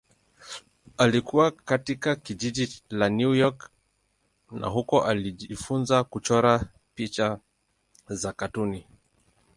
Alikua katika jiji la New York na huko alijifunza kuchora picha za katuni.